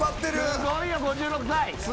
すごいよ５６歳。